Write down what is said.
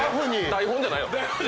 台本じゃないの？